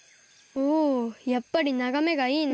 おやっぱりながめがいいな。